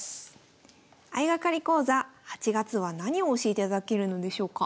相掛かり講座８月は何を教えていただけるのでしょうか？